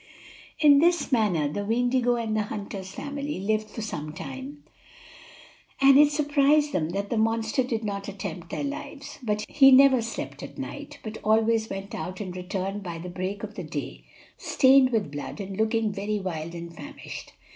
In this manner the Weendigo and the hunter's family lived for some time, and it surprised them that the monster did not attempt their lives; he never slept at night, but always went out and returned by the break of day stained with blood and looking very wild and famished.